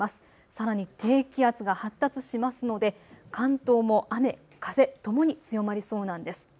さらに低気圧が発達しますので関東も雨、風ともに強まりそうなんです。